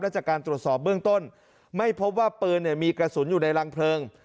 จากการตรวจสอบเบื้องต้นไม่พบว่าปืนมีกระสุนอยู่ในรังเพลิง